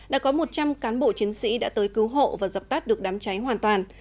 đã có một trăm linh cán bộ chiến sĩ đã tới cứu hộ và dập tắt được đám cháy hoàn toàn